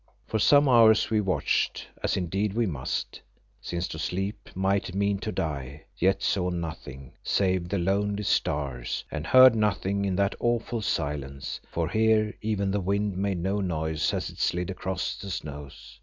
For some hours we watched, as indeed we must, since to sleep might mean to die, yet saw nothing save the lonely stars, and heard nothing in that awful silence, for here even the wind made no noise as it slid across the snows.